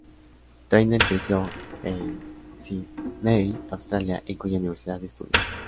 Trainer creció en Sydney, Australia, en cuya universidad estudió.